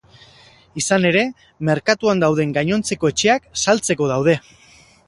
Izan ere, merkatuan dauden gainontzeko etxeak saltzeko daude.